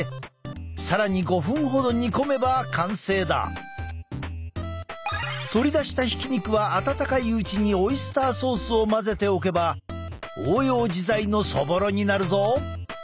火を弱めてから取り出したひき肉は温かいうちにオイスターソースを混ぜておけば応用自在のそぼろになるぞ！